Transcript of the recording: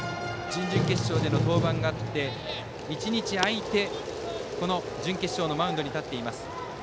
準々決勝での登板があって１日空いて、準決勝のマウンドに立っています。